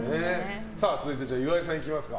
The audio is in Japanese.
続いて、岩井さんいきますか。